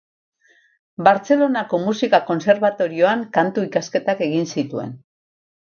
Bartzelonako Musika Kontserbatorioan kantu-ikasketak egin zituen.